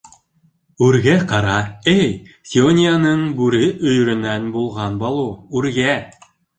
Үргә ҡара, эй Сиония-ның бүре өйөрөнән булған Балу, үргә!